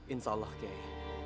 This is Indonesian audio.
insya allah qiyai